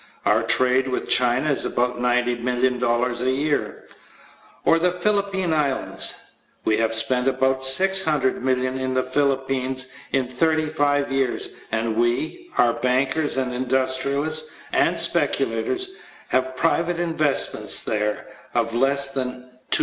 Our trade with China is about $90,000,000 a year. Or the Philippine Islands? We have spent about $600,000,000 in the Philippines in thirty five years and we (our bankers and industrialists and speculators) have private investments there of less than $200,000,000.